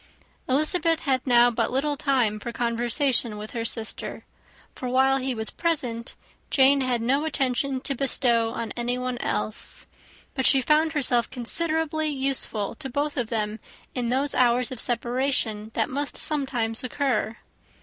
Elizabeth had now but little time for conversation with her sister; for while he was present Jane had no attention to bestow on anyone else: but she found herself considerably useful to both of them, in those hours of separation that must sometimes occur.